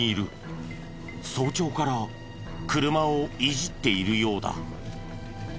早朝から車をいじっているようだ。